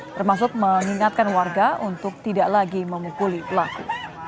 termasuk mengingatkan warga untuk tidak lagi memukuli pelaku